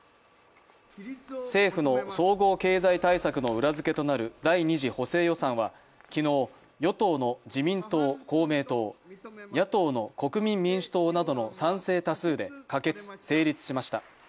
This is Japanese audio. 政府の総合経済対策の裏付けとなる第２次補正予算は昨日、与党の自民党・公明党、野党の国民民主党などの賛成多数で可決・成立しました。